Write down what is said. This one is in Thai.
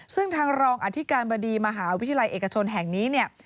ซึ่งทางรองอธิการบดีมหาวิทยาลัยเอกชนแห่งนี้เนี่ย